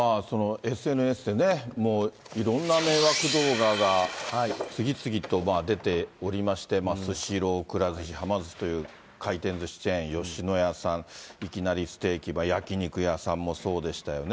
ＳＮＳでね、もういろんな迷惑動画が次々と出ておりまして、スシロー、くら寿司、はま寿司という回転ずしチェーン、吉野家さん、いきなりステーキ、焼き肉屋さんもそうでしたよね。